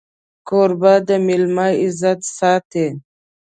کوربه د مېلمه عزت ساتي.